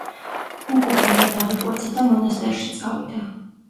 უგო ბერად აღიკვეცა და მონასტერში წავიდა.